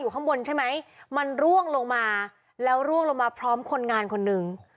ข้างบนใช่ไหมมันร่วงลงมาแล้วร่วงลงมาพร้อมคนงานคนหนึ่ง